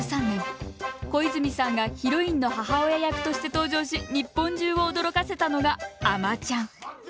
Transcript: ２０１３年小泉さんがヒロインの母親役として登場し日本中を驚かせたのが「あまちゃん」。